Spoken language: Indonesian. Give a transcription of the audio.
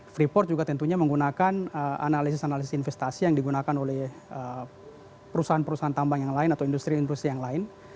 freeport juga tentunya menggunakan analisis analisis investasi yang digunakan oleh perusahaan perusahaan tambang yang lain atau industri industri yang lain